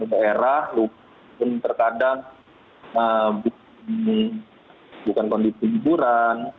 dan daerah terkadang bukan kondisi hiburan